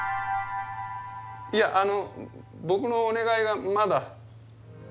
いやあの僕のお願いがまだ。